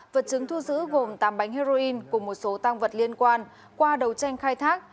vật chứng thu giữ gồm tám bánh heroin cùng một số tăng vật liên quan qua đấu tranh khai thác